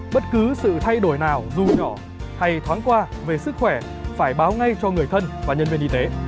bất cứ sự thay đổi nào dù nhỏ hay thoáng qua về sức khỏe phải báo ngay cho người thân và nhân viên y tế